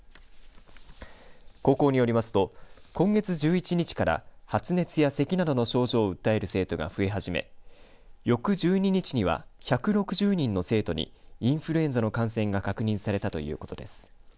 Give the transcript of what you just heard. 高校によりますと今月１１日から発熱やせきなどの症状を訴える生徒が増え始め翌１２日には１６０人の生徒にインフルエンザの感染が確認されたということです。